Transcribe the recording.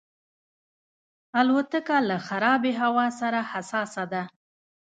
الوتکه له خرابې هوا سره حساسه ده.